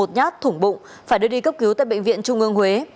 nhát thủng bụng phải đưa đi cấp cứu tại bệnh viện trung ương huế